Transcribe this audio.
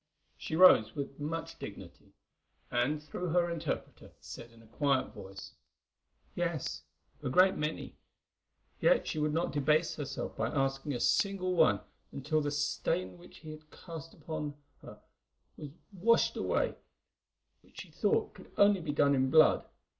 She rose with much dignity, and through her interpreter said in a quiet voice: "Yes, a great many. Yet she would not debase herself by asking a single one until the stain which he had cast upon her was washed away, which she thought could only be done in blood.